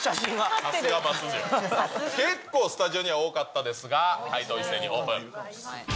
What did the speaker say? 結構、スタジオには多かったですが、回答、一斉にオープン。